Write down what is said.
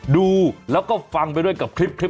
ดูแล้วก็ฟังไปด้วยกับคลิปนี้ครับ